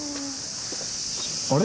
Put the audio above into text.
あれ？